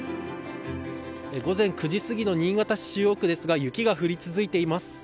午前９時すぎの新潟市中央区ですが雪が降り続いています。